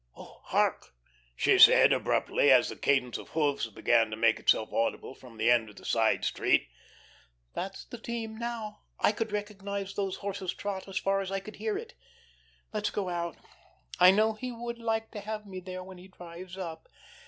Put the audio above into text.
Oh, hark," she said, abruptly, as the cadence of hoofs began to make itself audible from the end of the side street. "That's the team now. I could recognise those horses' trot as far as I could hear it. Let's go out. I know he would like to have me there when he drives up.